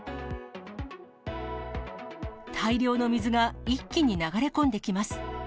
大量の水が一気に流れ込んできます。